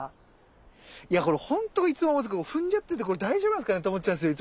いやこれほんといつも思うんですけど踏んじゃってて大丈夫なんですかね？って思っちゃうんですよ。